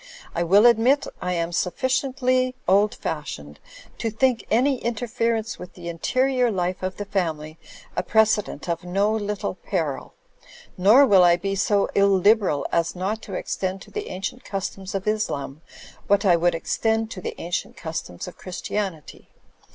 I will admit I am sufficiently old fashioned to think any interfer ence with the interior life of the family a precedent of no little peril. Nor will I be so illiberal as not to extend to the ancient customs of Islam what I would extend to the ancient customs of Christianity.